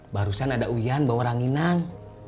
barusan ada uyan bawa ranginang